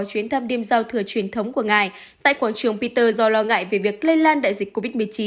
chuyến thăm đêm giao thừa truyền thống của ngài tại quảng trường peter do lo ngại về việc lây lan đại dịch covid một mươi chín